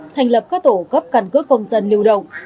thành lập các tổ cấp căn cước công dân lưu động